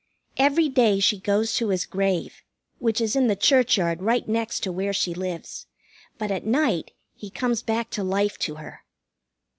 Every day she goes to his grave, which is in the churchyard right next to where she lives; but at night he comes back to life to her.